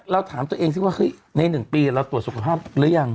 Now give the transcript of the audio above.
เราถามตัวเองซิว่าเฮ้ยใน๑ปีเราตรวจสุขภาพหรือยัง